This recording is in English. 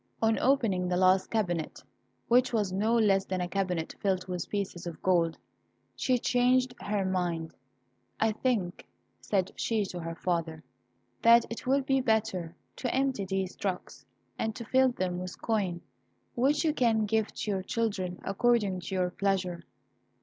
On opening the last cabinet, which was no less than a cabinet filled with pieces of gold, she changed her mind. "I think," said she to her father, "that it will be better to empty these trunks, and to fill them with coin, which you can give to your children according to your pleasure.